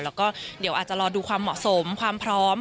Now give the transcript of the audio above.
แล้วก็เดี๋ยวอาจจะรอดูความเหมาะสมความพร้อม